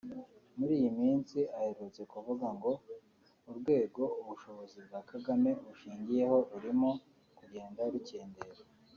muri iyi minsi aherutse kuvuga ngo urwego ubuyobozi bwa Kagame bushingiyeho rurimo kugenda rukendera